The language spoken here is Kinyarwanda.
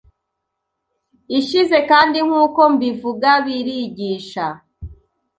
ishize kandi nkuko mbivugabirigisha